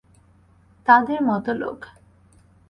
তাদের মতো লোক!